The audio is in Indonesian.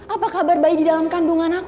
apa kabar bayi di dalam kandungan aku